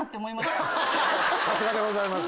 さすがでございます。